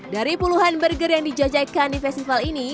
dari puluhan burger yang dijajakan di festival ini